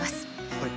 はい。